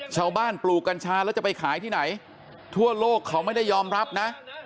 ปลูกกัญชาแล้วจะไปขายที่ไหนทั่วโลกเขาไม่ได้ยอมรับนะ